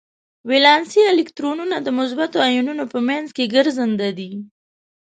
ولانسي الکترونونه د مثبتو ایونونو په منځ کې ګرځننده دي.